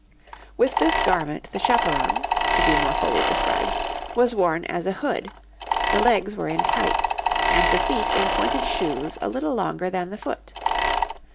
With this garment the chaperon (to be more fully described) was worn as a hood; the legs were in tights, and the feet in pointed shoes a little longer than the foot.